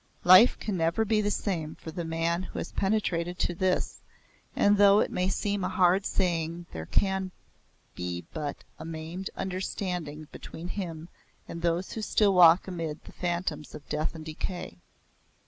Life can never be the same for the man who has penetrated to this, and though it may seem a hard saying there can be but a maimed understanding between him and those who still walk amid the phantoms of death and decay.